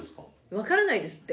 わからないですって。